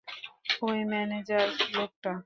ওই ম্যানেজার লোকটা।